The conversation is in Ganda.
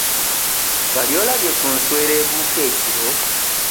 Wali olabye ku nswera ebuuka ekiro?